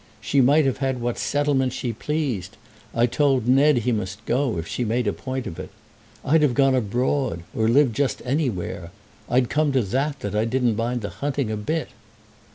She might have had what settlements she pleased. I told Ned that he must go, if she made a point of it. I'd have gone abroad, or lived just anywhere. I'd come to that, that I didn't mind the hunting a bit."